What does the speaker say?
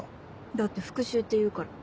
だって復讐って言うから。